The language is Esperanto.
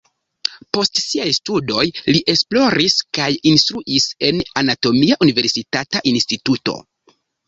Post siaj studoj li esploris kaj instruis en anatomia universitata instituto.